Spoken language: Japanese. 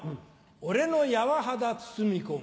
俺の柔肌包み込む。